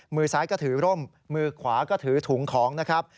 มือซ้ายก็ถือร่มมือขวาก็ถือถุงของนะครับ